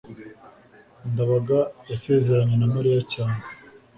ndabaga yasezeranye na mariya cyane